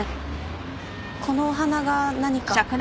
このお花が何か？